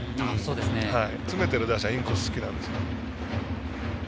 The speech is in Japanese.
詰めている打者はインコースが好きなんです。